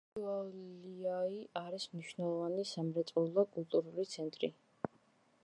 შიაულიაი არის მნიშვნელოვანი სამრეწველო და კულტურული ცენტრი.